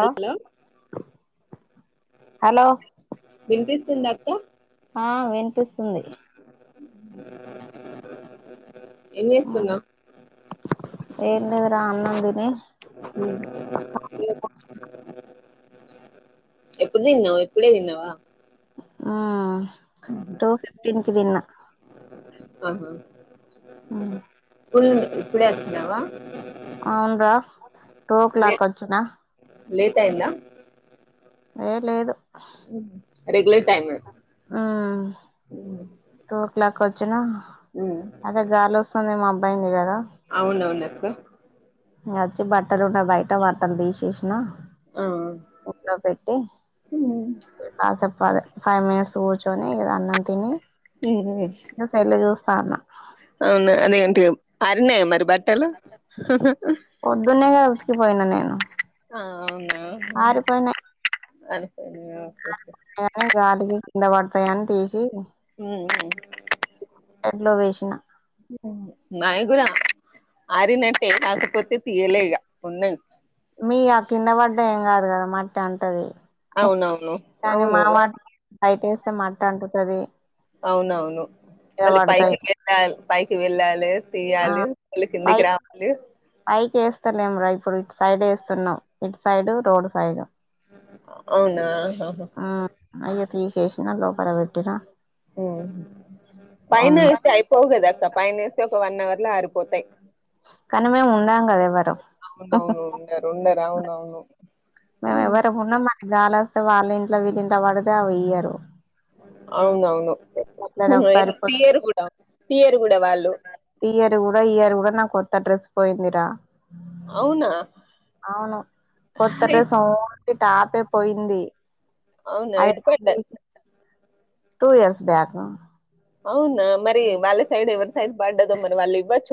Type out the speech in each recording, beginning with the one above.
Hello hello వినిపిత్ తుందా అక్క ఆ వినిపిస్తుంది ఏం చేస్తున్నావ్ ఏం లేదురా అన్నం తిని ఎప్పుడు తిన్నావ్ ఇప్పుడే తిన్నావా ఆ టూ ఫిఫ్టీన్ కి తిన్న ఆహా ఆ స్కూల్ నుంచి ఇప్పుడే వచ్చినవా అవునురా టూ ఓ లే క్లాక్ వచ్చిన లేట్ అయిందా యే లేదు రెగ్యులర్ టైమే ఆ టూ ఓ క్లాక్ వచ్చిన ఉమ్ అదే గాలి వస్తు అదే మబ్బు అయ్యింది కదా అవునవును అక్క వచ్చి బట్టలు ఉండ్య బయట బట్టలు తీసేసిన ఆ ఉట్లో పెట్టి ఆ చెప్పాలే ఫైవ్ మినిట్స్ కూర్చొని ఇగ అన్నం తిని ఇగ సెల్లు చూస్తాన్న అవునా అదే అంటివిగా ఆరినయా మరి బట్టలు హా హా పొద్దున్నే గా ఉతికిపోయిన నేను ఆ అవునా [unintelligible] ఆరిపోయినా ఓకే ఓకే అని గాలికి కింద పడతాయాని తీసి ఉ ఉ ఎండ్లో వేసిన నాయి కూడా ఆరినట్టే కాకపోతే తీయలే ఇగా ఉన్నాయ్. మీ ఆ కింద పడ్డ ఏం కాదు కదా మట్టి అంటది అవునవును కానీ మా అవును వాటికి బయట వేస్తే మట్ట అంటుతది అవునవును కింద మళ్ళీ పైకి పడతాయి వెళ్ళాలి పైకి వెళ్ళాలి ఆ తీయాలి మళ్ళీ పై కిందికి రావాలి పైకి వేస్తలేం రా ఇప్పుడికి సైడ్ వేస్తున్నాం ఇటు సైడు రోడ్ సైడ్ అవునా ఆహా ఆ అయ్యే తీసేసినా లోపల పెట్టిన ఉ పైన వేస్తే అయిపోవు కదాక్క పైన వేసి ఒక వన్ అవర్ లో అరిపోతై కానీ మేము ఉండం కదా ఎవరం అవునవును ఉండారు ఉండారు అవునవును మేము ఎవరమున్నా మనకి గాలి వస్తే వాళ్ళ ఇంట్ల వీళ్ళ ఇంట్ల పడితే అవి ఇయ్యరు అవునవ్ అట్లనే ఒకసారి పోయి తీయరు కూడా తీయరు కూడా వాళ్ళు ఇయరు కూడా నా కొత్త డ్రెస్ పోయిందిరా అవునా అవును కొత్త హాయ్. డ్రెస్ టాపే పోయింది అవునా ఎటు అదేమో తీసి [unintelligible] టూ ఇయర్స్ బ్యాక్ అవునా మరి వాళ్ళ సైడ్ ఎవరి సైడ్ పడ్డదో మరి వాళ్ళు ఇవ్వచ్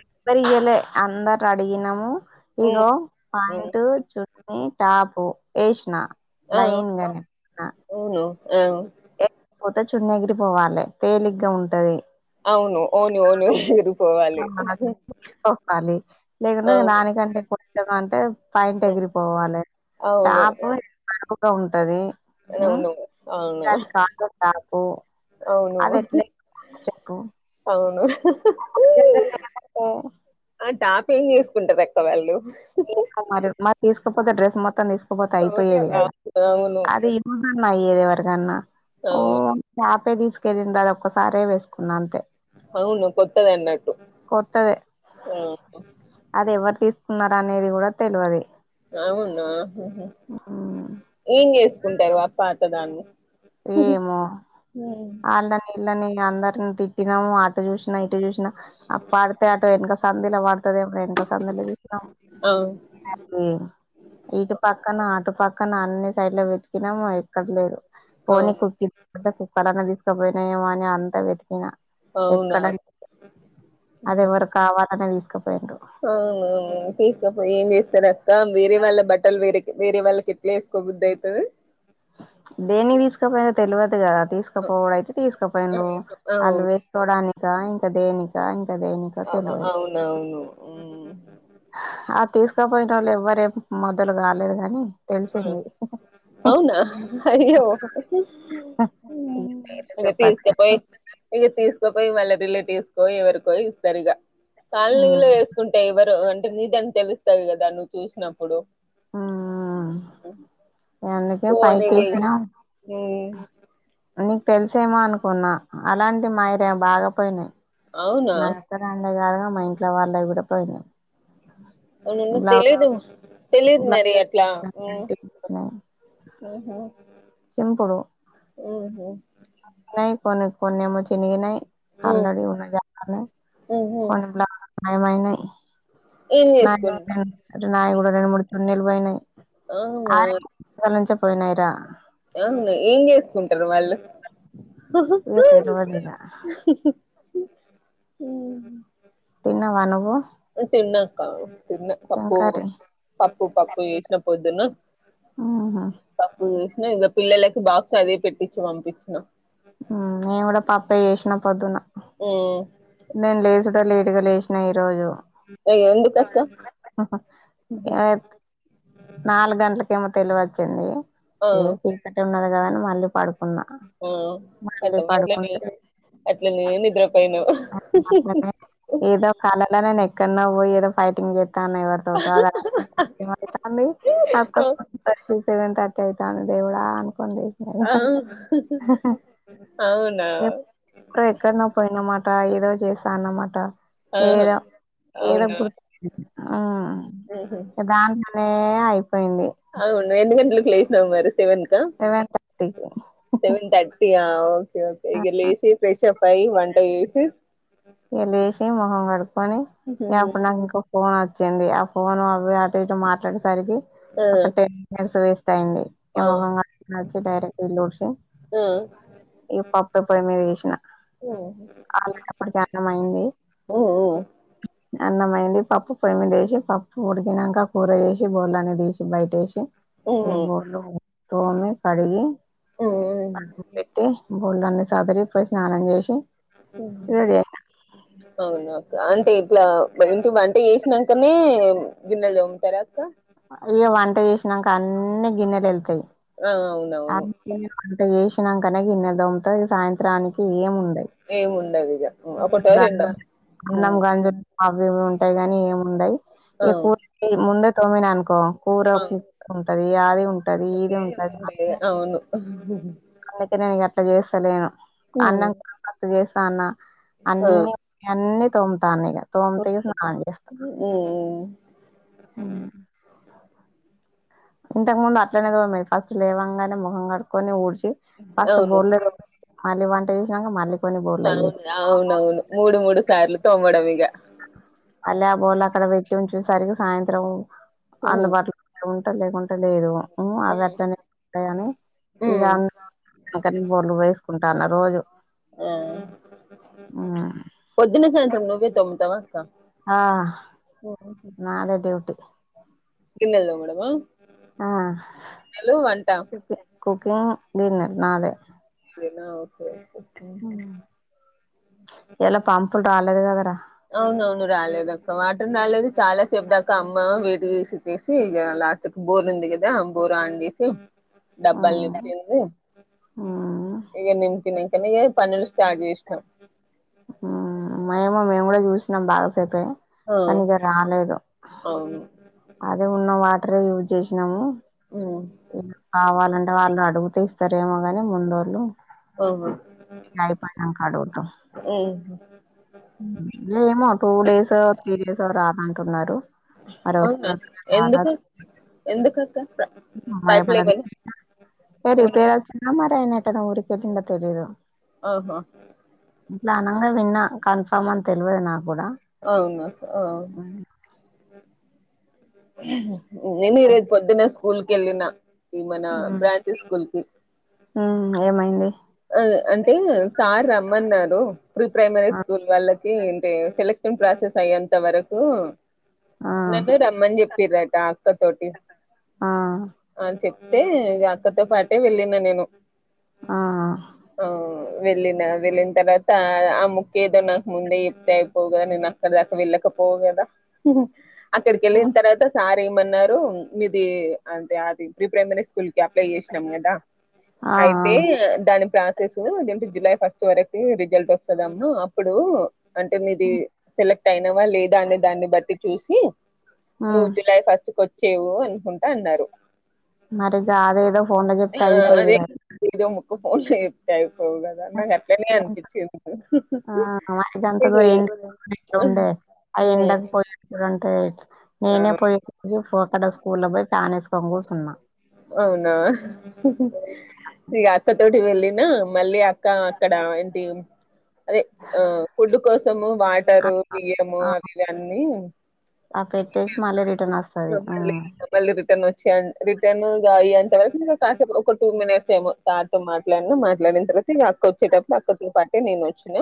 ఎవ్వరూ ఇయ్యలే అందరు అడిగినము ఉమ్ ఇగో ఉమ్ పాయింట్ చూ ని టాపు ఎషిన ఆ లైన్గానే న అవును ఆ పోతే చున్ని ఎగిరి పోవాలే తేలిగ్గా ఉంటది అవును అవునవును ఎగిరిపోవాలి ప్పాలి లేకుంటే అవును దానికంటేం కొత్తగా అంటే ప్యాంట్ ఎగిరిపోవాలలే అవును టాప్ బరువుగా ఉంటది అవును అవును అ ది [unintelligible] టప్ అవును అది ఎట్లే [unintelligible] చెప్పు అవును [unintelligible] అ ఎం చేసుకుంటారక్క వాళ్ళు ఏమో మరి మరి తీసుకపోతే డ్రెస్ మొత్తం తీసుకపోతే ఓకే. అయిపోయేది కదా అవును అది అయ్యేది ఎవరికన్నా అవును హుమ్ టాపే తీసుకెళ్ళంది అది ఒక్కసారే వేసుకున్నా అంతే అవును కొత్తదన్నట్టు కొత్తదే అది ఎవరు తీసుకున్నారనేది కూడా తెలువది అవునా హుహు. ఏం చేసుకుంటారు అ పాత దాన్ని ఏమో అళ్లనే విల్ళని అందరిని తిట్టినాము ఆరు చూసినా ఇటు చూసిన అ పడితే అటు వెనక సందుల పడుతదేమో ఎనకా సందుల చూసినం ఆ అవును ఇటు పక్కన అటు పక్ క్కన అన్ని సైడ్ ల వేతికినం ఎక్కడలేదు పోనీ అవును. కుక్ కుక్కలన్న తీసుకపోయినాయోమొ అని అంతా వెతికినా అవునా ఎక్కడ అది ఎవరోకావాలనే తీస్ అవునవును తీసుకపోయి ఏం చేస్తారక్క వేరే వాళ్ళ బట్టలు వేరే వేరే వాళ్ళకి ఎట్లా వేసుకోబుద్దిఅయితది దేనికి తీసుకపోయినా పోయిల్లో తెలువది కదా తీసుకపోవుడయితే తీసుకుపోయిండు వాళ్ళు అవును వేసుకోడానిక ఇంకా దేనిక ఇంకా దేనిక అ తెలియదు అవునవును మ్ ఆ తీసుకోపోయిన వాళ్ళు ఎవ్వరేం మొదలు కాలేదు గాని ఆ, తెలిసింది అవునా అయ్యో ఇక పేర్లు ఇగ చెప్పద్దు తీస్కపోయి ఇగ తీస్ క పోయి వాళ్ళ రిలేటివ్స్కో ఎవరికో ఇస్తారు ఇగ కాలనీలో మ్మ్ వేసుకుంటే ఎవరు అంటే నీదని తెలుస్ కదా నువ్వు చూసినప్పుడు ఎందుకే పోనీలే పైకేశిన ఉమ్ నీకు తెలిసేమో అనుకున్నా అలాంటి మాయిరే బాగా పోయినియ్ అవునా నాత్తరాండ కాని మా ఇంట్లో వాళ్ళవి కూడా పోయినాయి అవునవును బ్లౌజ్ తెలీదు తెలీదు బ్లౌజ్ మరి అట్లా ఉమ్ ఓహో చంపుడు ఓ నై కొను కొన్నేమో చినిగిన్నాయి ఉ ఆల్రెడీ ఉన్నాజపాలా ఉహు కొన్ని మ మైనే ఏం నా చేసుకున్ నై కూడా రెండు మూడు చున్నీలు పోయినై ఆ ఆ పోయినిరా అవును ఏం చేసుకుంటారు వాళ్ళు హు ఇగ తెలవదు ఇగ హు హు తిన్నావా నువ్వు తిన్నక తిన్న ఏం పప్పు కర్రీ పప్పు పప్పు చేసిన పోద్దున్న ఊహూ పప్పు చేసిన ఇంక పిల్లలకి బాక్స్ అదే పెట్టించు పంపించిన హ్మ్ నేను కూడా పప్పే చేసిన పొద్దున్న నేను లేచుడే లేటు గా లేసినా ఈ రోజు ఆ ఎందుకక్కా బ నాలుగు గంటలకేమో తెలివి వచ్చింది ఆ ఏ చీకట్టి ఉన్నాది కదాని మళ్ళీ పడు న్నా ఆ మళ్ళీ కతం అట్లనే పడుకుంటే అట్లనే నిద్రపోయినావు [unintelligible] ఇదో కాలలానే కన్నా పో ఎద ఫైటింగ్ చేతాన్నా ఎవరితోటో [unintelligible] అనే ఆపు సెవెన్ థర్టీ స్నానం చేయాలా అని సరే ఆ సరే అవునా హ హ ఎక్కడ పోయిన మా క ఈరోజే స్నానం అట ఆహా ఏదో ఏదో అవునా గుర్తు ఆ ఉహు. దా ఊ అయి అవును రెండు గంటల్కి లెగిస్నా మరి ఎంత సెవెన్ థర్టీకి సెవెన్ థర్టీ ఆ ఓకే ఓ ఇగ ఆ లేసి ఫ్రెషప్ అయి వంట చేసి ఇగా లేసి ముఖం కడుక్కుని ఇగ హ్మ్ అప్పుడు నాకింకా ఫోన్ వచ్చింది ఆ ఫోన్ అవి అటు ఇటు మాట్లాడేసరికి ఆ ఒక టెన్ మినిట్స్ వేస్ట్ టైంది ఆ నేను వచ్చేసరికి ఇళ్లు ఊడ్చి ఆ ఈగా పప్పు పోయిమీద వేసిన ఓ అలాప్పటికి అన్నం అయింది ఓ అన్నంమైంది పప్పు పొమ్మిదేసి పప్పు ఉడికినాక కూర వేసి బోల్లాన్ని తీసి బయట వేసి ఇగ ఓహో బోర్లు తోమి కడిగి పెట్టి బోల్డాన్ని సాదరి పె స్నానం చేసి రెడీ అయిన అవునా అంటే ఇట్లా ఏంటి వంట చేసినాకనే గిన్నెలు తోమ్ముతారా అక్క అయ్యో వంట చేసినాక అన్ని గిన్నెలు ఎల్తాయి ఆ అ అవునవును అంత చేసినంకనే గిన్నెల్ తోముత సాయంత్రానికి ఏం ఉండయి. ఏముండదు అన్నం గంజు అవి ఇవి ఉంటాయి కగాని ఏమిండయి ఆ ఎ కూ ముంద తోమ్మిననుకో కో కూర ఆ కూ ఉంటది అది ఉంటది ఇది ఉండే, ఉంటది ఉండే, అవును అందుకే నేను అట్లా చేస్తాలేను హ్మ్ అన్నం అట్ చేస్తా అన్న ఆ అన్ని ఇగ అన్ని తోముతాను ఇగ తోమి స్నానం చేస్తాను ఉమ్ ఇంతకు ముందు అట్లనే తొమేదీ ఫస్ట్ లేవంగనే ముఖం కట్టుకొని ఊడ్చు ఫస్ట్ అవును బోర్లే మళ్ళీ వంట చేసినాక మళ్ళీ కొన్ని బోర్లు అవును అయ్యేటివి. అవునవును మూడు మూడు సార్లు తోమడం ఇగ మళ్ళ ఆ బోలు అక్కడ పెట్టి ఉంచేసరికి సాయంత్రం హ్మ్ అందుబాటులో అ లేకుంటడా లేదు ఉ హ్మ్ అవట్నే ఉంటాయని ఇగ హ్మ్ అతని [unintelligible] వేసుకుంటాన్న రోజు ఆ ఉమ్, పొద్దున సాయంత్రం నూవై తొమ్మతవ ఆ నదే డ్యూటీ గిన్నెలు తొమడమ ఆ గిన్నెలు వంట కుకింగ్ డిన్నర్ నాదే నా ఓకే ఒకే ఈయల పాంపులు రాలే గదరా అవున అవును రాలేదు అక్క వాటర్ రాలేదు చాలా సేపు దాకా అమ్మ వేర్చేసి ఇగ లాస్ట్క్ బోర్ందిగిదా బోర్ ఆన్ చేసి డబ్బాలు ఉమ్, నిమ్తన ఉమ్, ఇగ నింపి ఎమ్మటె పనిలు స్టార్ట్ చేష్ మేము మేము కూడా చూసినాం బాగా పో ఆ కానీ ఇగ రాలేదు అవును అదే ఉన్నవా ట్రే యూజ్ చేసినము ఉమ్ కావాలంటే వాళ్ళు అడుగుతే ఇస్తరెమో గని ముందోల్లు అవును అయిపోయినన్క అడుగుతా ఉమ్ ఏమో టూ డేస్ త్రీ డేస్ రానంటున్నారు అవునా ఎందుకు ఎందుకక్క పైప్ మారేమన్న లేవనా ఏమన్నా రిపేరిచిందో తెలియదు ఊరికే అందో తెలిదు ఆహ ఇట్లా అనగా విన్నా కన్ఫామ్ అని తెలవదు నాకు కూడా అవున అవు నేను ఈ రేజు పొద్దున్న స్కూల్ కి వెళ్ళిన ఈ మన బ్రాంచె స్కూల్ కి ఉమ్ ఏమైంది ఆ, అంటే సార్ రమ్మన్నారు ప్రీ ప్రైమరీ ఆ స్కూల్ వాళ్ళకి అంటే సెలెక్ ప్రాసెస్ అయ్యేంత వరకు ఆ నన్ను రమ్మని చెప్పిరట అక్క తోటి అని చెప్తే అక్కతో పాటే వెళ్ళిన నేను ఆ ఆ ఆ వెళ్ళిన వెళ్ళిన తర్వాత ఆ ముక్క ఏదో నాకు ముందే ఎప్తే అయిపోవు కదా నేను అక్కడ దాకా వెళ్ళకప్ పోవ్ గద అక్కడికి వెళ్ళిన తర్వాత సార్ ఏమన్నారు మీది అంటె అది ప్రీ ప్రైమరీ స్కూల్ అప్లై చేసినాం కదా ఆ ఆ అయితే ఆది ప్రాసెస్ జులై ఫస్ట్ వరకు రిజల్ట్ వస్తది అమ్మ అప్పుడు అంటే మీది సెలెక్ట్ అయినవా లేదా అనే దాన్ని బట్టి చూసి నువ్వు మ్మ్ జులై ఫస్ట్ కి వచ్చేవు అనుకుంటా అన్నారు మరి అది ఏదో ఫోన్ లో చెప్తే అయిపోయేది కదా ఒక ఫోన్ లో చెప్తారు పోవు కదా నాకు అట్లనే అనిపించేది ఆ! మనకి అయి ఉండక పోయి [unintelligible] నేనే పోయే అక్కడ స్కూల్ లో పోయి ఫ్యాన్ వేసుకొని కూర్చున్నా అవునా [unintelligible] ఇ వెళ్ళిన మళ్ళీ అక్క అక్కడ ఏంటి అదే ఆ ఫుడ్ కోసము ఆ! వాటరు బియ్యము ఆ! అవి ఇవి అన్నీ ఆ పెట్టేసి మళ్ళీ రిటర్న్ వస్తాది మళ్ళీ హ్మ్ మళ్ళీ రిటర్న్ వచ్చే రిటర్న్ గా అయ్యేంత వరకు ఇంకా కాసేపు ఒక టూ మినిట్స్ ఏమో తారితో మాట్లాడిన మాట్లాడిన తర్వాత ఇగ అక్క వచ్చేటప్పుడు అక్కతో పాటే నేను వచ్చిన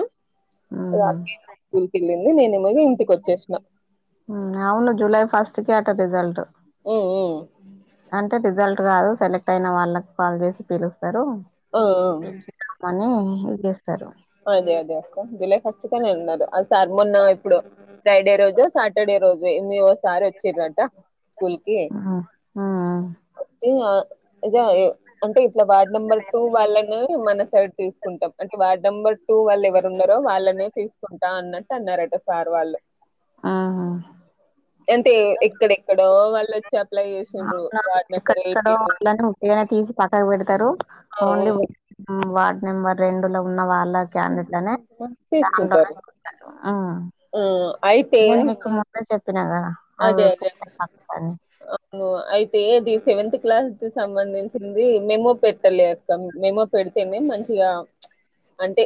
హుహు. రాత్రి స్కూల్కి వెళ్ళింది నేనేమో ఇంటికి వచ్చేసినా అవును జులై ఫస్ట్ కే అట రిజల్ట్ హ్మ్ మ్మ్ అంటే రిజల్ట్ రాదు సెలెక్ట్ అయిన వాళ్ళకి కాల్ చేసి పిలుస్తారు ఆ పిలిచినా కానే ఏం చేస్తారు అదే అదే అక్కా జూలై ఫస్ట్ కనే అన్నారు సార్ మొన్నా ఎప్పుడో ఫ్రైడే రోజో సాటర్డే రోజు ఇ వస్ సార్ వచ్చిరంట స్కూల్ కి హ్మ్. హ్మ్. వచ్చి ఇద అంటే ఇట్లా వార్డ్ నెంబర్ టూ వాళ్ళని మన సైడ్ తీసుకుంటాం అంటే వార్డు నెంబర్ టూ వాళ్ళు ఎవరున్నారో వాళ్ళనే తీసుకుంటా అన్నట్టు అన్నారట సార్ వాళ్ళు హ్మ్. హ్మ్. అంటే ఎక్కడెక్కడో వాళ్ళు వచ్చి అప్లై చేసి అవును ఎక్కడెక్కడో వాళ్ళని ముట్టిగానే తీసి పక్కకు పెడతారు ఓన్లీ వార్డ్ నెంబర్ రెండు లో ఉన్న వాళ్ళ క్యాండేట్ లోనే దానిలోనే తీసుకుంటారు అనుకుంట హ్మ్ ఆ అయితే నేను నీకు ముందే చెప్ చెప్పినాదా అదే అదే [inaudible] అవును అయితే ఇది సెవెంత్ క్లాస్ కి సంబంధించింది మెమో పెట్టలే అక్క మెమో పెడితేనే మంచిగా అంటే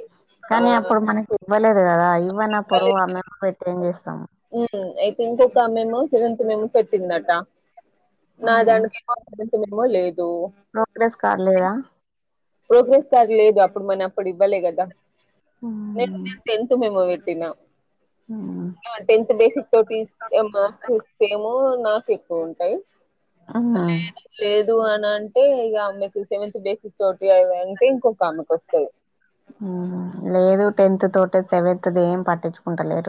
ఆ కానీ అప్పుడు మనకి ఇవ్వలేదు కదా ఇవ్వనప్పుడు ఆమె పెట్టే ఏం చేస్తాము ఇంకొకమె మేమో సెవెంత్ మేమో పెట్టిందట నా ఆహా! దానికేమో సెవంత్ మేమో లేదు ప్రోగ్రెస్ కార్లేదా ప్రోగ్రెస్ కార్డు లేదు అప్పుడు మనం అప్పుడు ఇవ్వలే కదా హ్మ్. నేన్ టెన్త్ మేమో పెట్ హ్మ్. ఆ టెంత్ బేసిక్ తోటి ఏమ చూస్తే ఓ నాకు ఎక్కువ ఉంటాయి అమ వద్దు అని అంటే ఇక ఆమెకి సెవెంత్ బేసిక్ తోటి అవి అంటే ఇంకొక ఆమెకి వస్తాయి హ్మ్ లేదు టెన్త్ తోటి సెవెన్త్ ది ఏం పట్టించుకుంటలేదు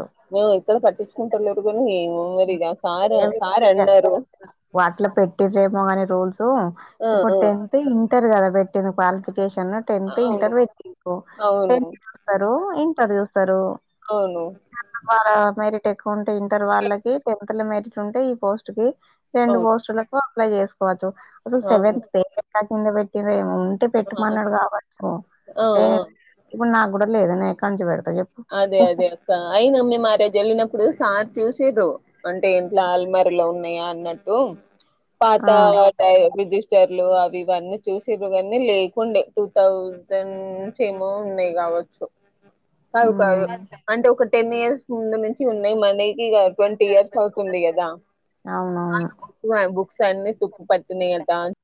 ఎక్కడ పటిచ్చుకుంటలేరు గాని ఏమో మరి ఆ సార్ సార్ అన్నారు వాట్లో పెట్టిరేమో కాని రూల్స్ ఆ ఇప్పుడు టెన్త్ ఇంటరు కదా పెట్టింది క్వాలిటీ ఆ టెన్త్ అవును ఇంటర్ మెట్రిక్ అవును టెన్త్ చూస్తారు ఇంటర్ చూస్తారు అవును మరి పెట్టుకుంటే ఇంటర్ వాళ్ళకి టెన్త్ కి మెరిట్ ఉంటే ఈ పోస్ట్ కి రెండు అవును పోస్టులకు అప్లై చేసు అవును [unintelligible] అంటే ఆ పెట్టుమన్నాడు కావచ్చు ఆ ఆ ఇప్పుడు నాకు కూడ లేదనే [unintelligible] అదే అదే అక్కా అయినమ్మి [unintelligible] వెల్లినప్పుడు సా చుసిర్రు అంటే ఇంట్లో ఆలమరలో ఉన్నాయా అన్నట్టు పాత ఆ [unintelligible] రిజిస్టర్లు ఇవన్నీ చూసే కానీ లేకుండే టూ థౌజండ్ నుంచి ఏమో ఉన్నాయి కావచ్చు కాదు కాదు ఉమ్ అంటే ఒక టెన్ ఇయర్స్ ముందు నుంచి ఉన్నాయి మనకి కాదు ట్వంటీ ఇయర్స్ అవుతుంది కదా అవునవును [unintelligible] బుక్స్ అన్ని తుప్పు పడుతున్నాయ్ కదా